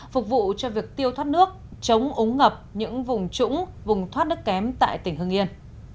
phục vụ cho việc tiêu thoát nước chống ống ngập những vùng trũng vùng thoát nước kém tại tỉnh hưng yên